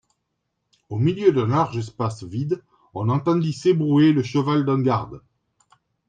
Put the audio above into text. Au milieu du large espace vide, on entendit s'ébrouer le cheval d'un garde.